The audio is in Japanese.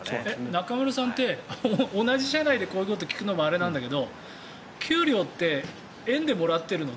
中丸さんって同じ社内でこういうこと聞くのもあれなんだけど給料って円でもらってるの？